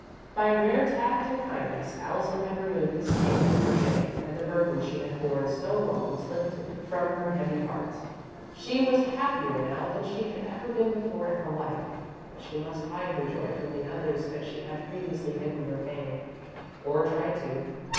By rare tact and kindness, Allison had removed the sting from her shame and the burden she had borne so long was lifted from her heavy heart. She was happier now than she had ever been before in her life, but she must hide her joy from the others as she had previously hidden her pain or tried to.